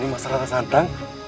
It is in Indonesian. ini masalah rasa hantang